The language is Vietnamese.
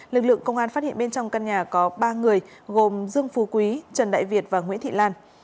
lực lượng công an phát hiện bên trong căn nhà có ba người gồm dương phú quý trần đại việt và nguyễn thị lan